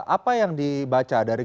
apa yang dibaca dari